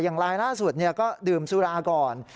ลายล่าสุดก็ดื่มสุราก่อน